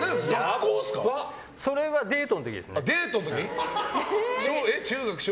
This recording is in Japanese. それはデートの時ですね。